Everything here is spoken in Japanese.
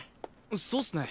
そうっすね。